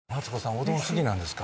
おうどん好きなんですか？